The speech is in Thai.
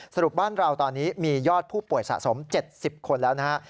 สรุปบ้านเราตอนนี้มียอดผู้ป่วยสะสม๗๐คนแล้วนะฮะ